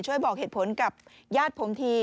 บอกเหตุผลกับญาติผมที